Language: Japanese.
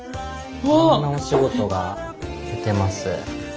いろんなお仕事が出てます。